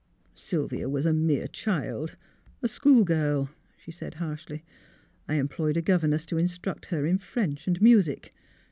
" Sylvia was a mere child — a schoolgirl," she said, harshly. '' I employed a governess to in struct her in French and music.